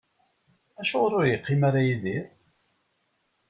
Acuɣer ur yeqqim ara Yidir?